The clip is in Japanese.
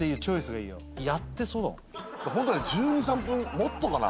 ホントはね１２１３分もっとかな？